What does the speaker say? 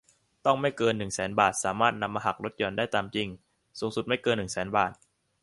ต้องไม่เกิน หนึ่งแสน บาท สามารถนำมาหักลดหย่อนได้ตามจริง สูงสุดไม่เกิน หนึ่งแสน บาท